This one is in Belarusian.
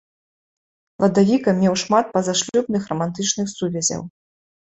Ладавіка меў шмат пазашлюбных рамантычных сувязяў.